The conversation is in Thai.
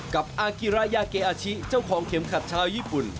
กับอากิรายาเกอาชิเจ้าของเข็มขัดชาวญี่ปุ่น